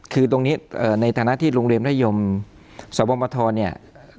คือตรงนี้ในฐานะที่โรงเรียนนยมสวมทรเนี่ย